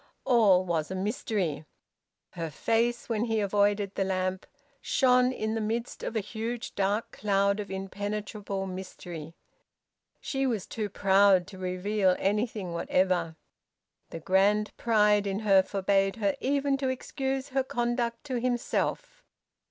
All was a mystery. Her face, when he avoided the lamp, shone in the midst of a huge dark cloud of impenetrable mystery. She was too proud to reveal anything whatever. The grand pride in her forbade her even to excuse her conduct to himself.